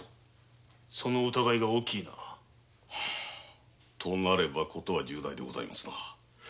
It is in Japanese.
その疑いが大きいな。となれば事は重大でございますな。